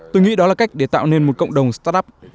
tôi nghĩ đó là cách để tạo nên một cộng đồng startup